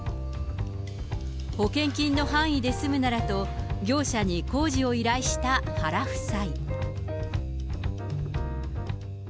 保険金の範囲で済むならと、業者に工事を依頼した原夫妻。